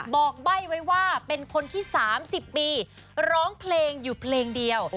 บอกใบ้ไว้ว่าเป็นคนที่๓๐ปีร้องเพลงอยู่เพลงเดียว